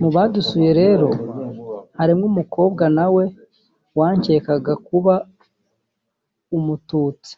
Mu badusuye rero harimo umukobwa nawe wankekaga kuba umututsi